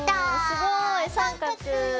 おすごい！三角。